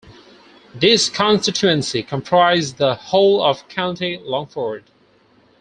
This constituency comprised the whole of County Longford.